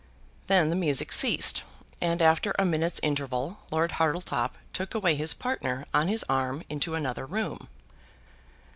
Then the music ceased, and after a minute's interval Lord Hartletop took away his partner on his arm into another room.